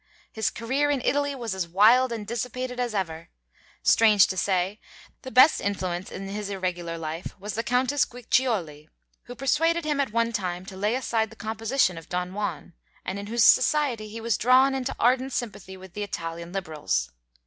His career in Italy was as wild and dissipated as ever. Strange to say, the best influence in his irregular life was the Countess Guiccioli, who persuaded him at one time to lay aside the composition of 'Don Juan,' and in whose society he was drawn into ardent sympathy with the Italian liberals.